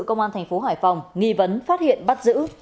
công an thành phố hải phòng nghi vấn phát hiện bắt giữ